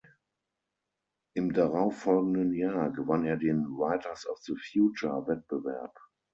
Im darauf folgenden Jahr gewann er den „Writers of the Future“-Wettbewerb.